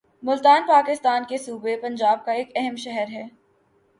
ملتان پاکستان کے صوبہ پنجاب کا ایک اہم شہر ہے